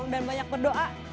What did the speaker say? dan banyak berdoa